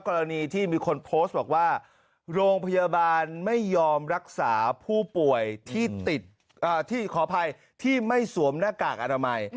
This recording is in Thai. กรณีที่มีคนโพสต์บอกว่าโรงพยาบาลไม่ยอมรักษาผู้ป่วยที่ติดที่ขออภัยที่ไม่สวมหน้ากากอนามัย